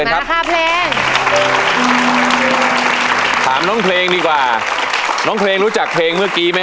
มานะครับเพลง